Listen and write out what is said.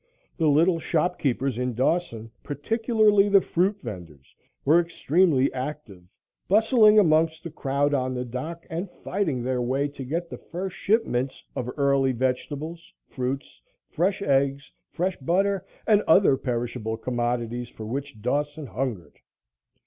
The little shopkeepers in Dawson, particularly the fruit venders, were extremely active, bustling amongst the crowd on the dock and fighting their way to get the first shipments of early vegetables, fruits, fresh eggs, fresh butter and other perishable commodities for which Dawson hungered.